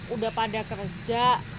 udah pada kerja